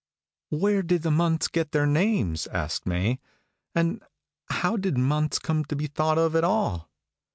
"Where did the months get their names?" asked May, "and how did months come to be thought of at all?"